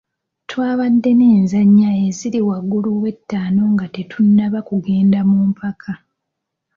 Twabadde n'enzannya eziri waggulu w'etaano nga tetunnaba kugenda mu mpaka.